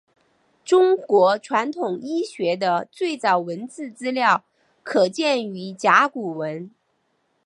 中国传统医学的最早文字资料可见于甲骨文。